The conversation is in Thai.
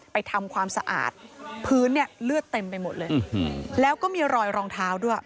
ทำความสะอาดพื้นเนี่ยเลือดเต็มไปหมดเลยแล้วก็มีรอยรองเท้าด้วย